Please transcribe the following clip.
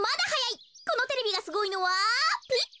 このテレビがすごいのはピッと。